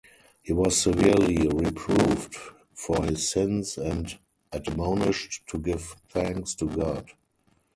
He was severely reproved for his sins and admonished to give thanks to God.